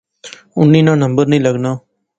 انیں ناں نمبر نی لغا